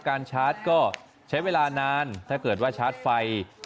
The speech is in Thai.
การชาร์จก็ใช้เวลานานถ้าเกิดว่าชาร์จไฟ